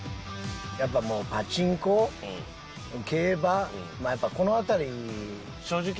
やっぱもうパチンコ競馬まあやっぱこの辺り。